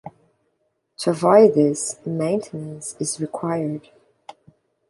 To avoid this, maintenance is required.